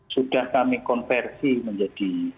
sudah kami konversi menjadi